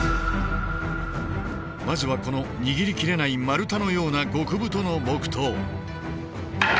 まずはこの握りきれない丸太のような極太の木刀。